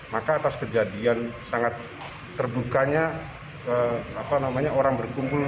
maka atas kejadian sangat terbukanya orang berkumpul